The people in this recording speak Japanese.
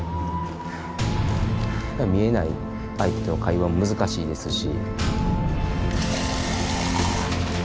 見えない相手との会話も難しいですし。